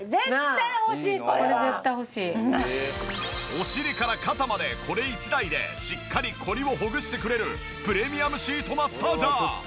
お尻から肩までこれ１台でしっかりコリをほぐしてくれるプレミアムシートマッサージャー。